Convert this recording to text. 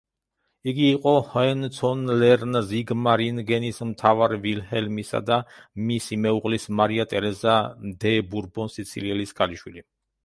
იგი იყო ჰოენცოლერნ-ზიგმარინგენის მთავარ ვილჰელმისა და მისი მეუღლის, მარია ტერეზა დე ბურბონ-სიცილიელის ქალიშვილი.